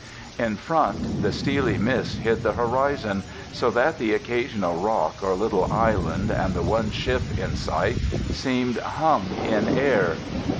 In front the steely mist hid the horizon, so that the occasional rock or little island and the one ship in sight seemed hung in air.